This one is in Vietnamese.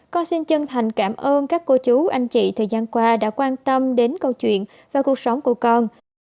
con xin chân thành cảm ơn các cô chú anh chị thời gian qua đã quan tâm đến câu chuyện và cuộc sống của con